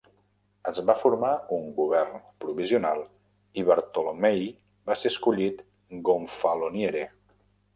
Es va formar un govern provisional i Bartolommei va ser escollit "gonfaloniere".